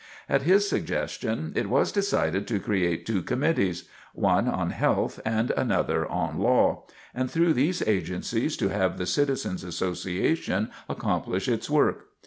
At his suggestion, it was decided to create two committees, one on health and another on law, and through these agencies to have the Citizens Association accomplish its work.